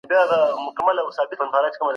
سکویډ 🦑